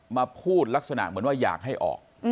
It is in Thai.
มาพูดลักษณะเหมือนว่าอยากให้ออก